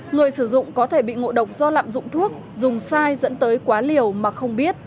người sử dụng có thể bị ngộ độc do lạm dụng thuốc dùng sai dẫn tới quá liều mà không biết